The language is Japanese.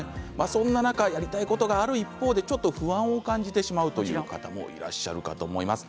そんな中、やりたいことがある一方で不安を感じてしまうという方もいらっしゃるかと思います。